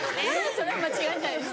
それは間違えないです。